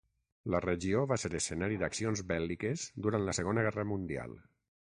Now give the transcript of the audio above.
La regió va ser escenari d'accions bèl·liques durant la Segona Guerra Mundial.